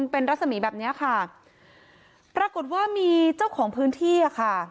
ปรากฏว่ามีเจ้าของพื้นที่